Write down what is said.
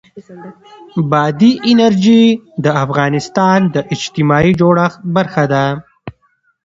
بادي انرژي د افغانستان د اجتماعي جوړښت برخه ده.